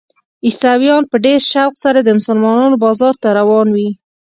عیسویان په ډېر شوق سره د مسلمانانو بازار ته روان وي.